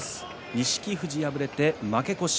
錦富士、敗れて負け越し。